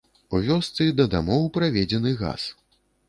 У вёсцы да дамоў праведзены газ.